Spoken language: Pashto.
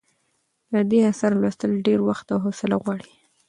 د دې اثر لوستل ډېر وخت او حوصله غواړي.